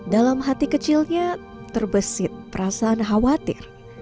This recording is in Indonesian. dalam hati kecilnya terbesit perasaan khawatir